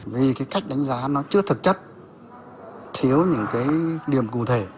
vì cái cách đánh giá nó chưa thực chất thiếu những cái điểm cụ thể